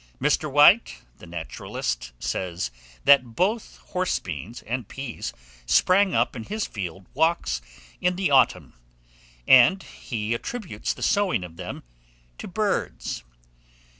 Mr. White, the naturalist, says, that both horse beans and peas sprang up in his field walks in the autumn; and he attributes the sowing of them to birds.